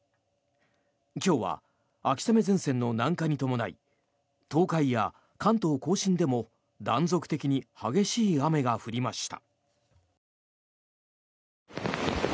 今日は秋雨前線の南下に伴い東海や関東・甲信でも断続的に激しい雨が降りました。